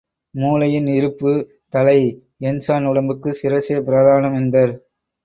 மூளையின் இருப்பு தலை, எண் சாண் உடம்புக்குச் சிரசே பிரதானம் என்பர்.